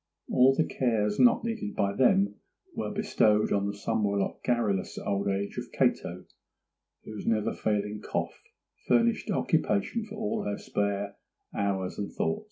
All the cares not needed by them were bestowed on the somewhat garrulous old age of Cato, whose never failing cough furnished occupation for all her spare hours and thought.